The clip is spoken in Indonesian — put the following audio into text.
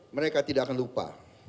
mereka tidak akan lupa